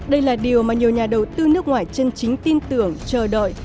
đây là điều mà nhiều nhà đầu tư nước ngoài chân chính tin tưởng chờ đợi